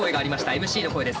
ＭＣの声です。